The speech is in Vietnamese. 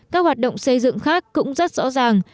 các hoạt động xây dựng khác cũng rất rõ ràng